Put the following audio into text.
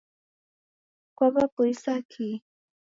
Kwaw'apoisa kihi?